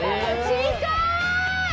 近い！